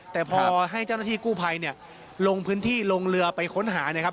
แต่พอให้เจ้าหน้าที่กู้ภัยลงพื้นที่ลงเรือไปค้นหา